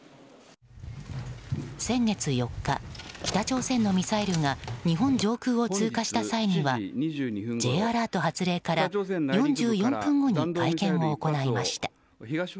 先月４日、北朝鮮のミサイルが日本上空を通過した際にはＪアラート発令から４４分後に会見を行いました。